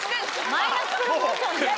マイナスプロモーションじゃん。